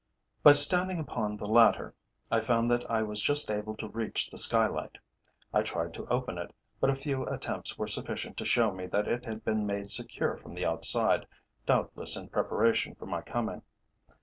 By standing upon the latter I found that I was just able to reach the skylight. I tried to open it, but a few attempts were sufficient to show me that it had been made secure from the outside, doubtless in preparation for my coming.